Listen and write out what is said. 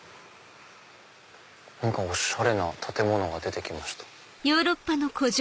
何かおしゃれな建物が出てきました。